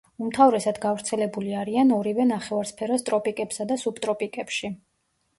უმთავრესად გავრცელებული არიან ორივე ნახევარსფეროს ტროპიკებსა და სუბტროპიკებში.